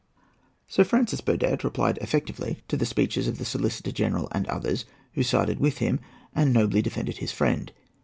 Sir Francis Burdett replied effectively to the speeches of the Solicitor General and others who sided with him, and nobly defended his friend.